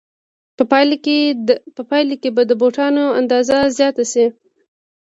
په پایله کې به د بوټانو اندازه زیاته شي